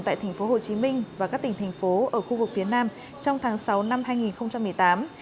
tại tp hcm và các tỉnh thành phố ở khu vực phía nam trong tháng sáu năm hai nghìn một mươi tám